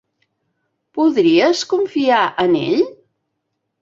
Podries confiar en ell?